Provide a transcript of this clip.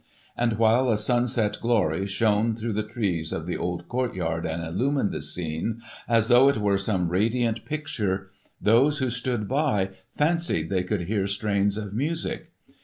And while a sunset glory shone through the trees of the old courtyard and illumined the scene, as though it were some radiant picture, those who stood by fancied they could hear strains of music.